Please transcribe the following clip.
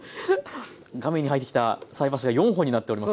画面に入ってきた菜箸が４本になっております。